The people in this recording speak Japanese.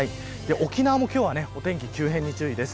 沖縄も今日はお天気、急変に注意です。